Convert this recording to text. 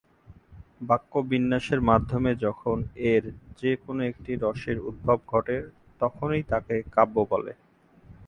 বাক্যবিন্যাসের মাধ্যমে যখন এর যে-কোন একটি রসের উদ্ভব ঘটে তখনই তাকে কাব্য বলে।